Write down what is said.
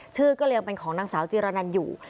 ชื่อก็ยังเป็นของนางสาวจีรนันอยู่